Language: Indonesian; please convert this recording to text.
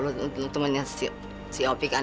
lu temannya si opi kan